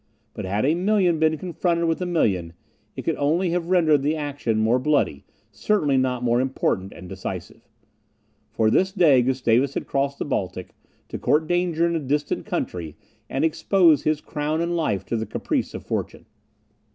But had a million been confronted with a million it could only have rendered the action more bloody, certainly not more important and decisive. For this day Gustavus had crossed the Baltic, to court danger in a distant country, and expose his crown and life to the caprice of fortune.